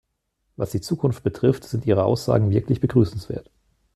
Was die Zukunft betrifft, sind Ihre Aussagen wirklich begrüßenswert.